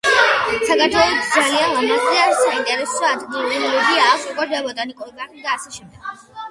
საქართველოს დზალიან ლამაზი და საინტერესო ადგილები აქვს როგორიცაა ბოტანიკური ბაღი და ასე შემდეგ